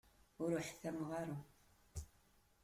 Ur ḥtammeɣ ara.